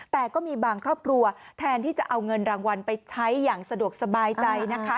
แต่ก็มีบางครอบครัวแทนที่จะเอาเงินรางวัลไปใช้อย่างสะดวกสบายใจนะคะ